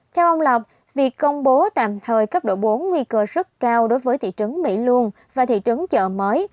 theo ông lọc việc công bố tạm thời cấp độ bốn nguy cơ rất cao đối với thị trấn mỹ luông và thị trấn chợ mới